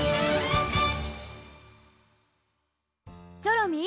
チョロミー